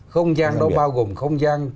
không gian đó bao gồm không gian